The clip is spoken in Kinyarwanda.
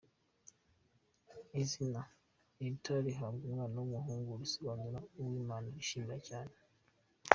Izina ‘Eltad’rihabwa umwana w’umuhungu bisobanura uw’Imana yishimira cyane.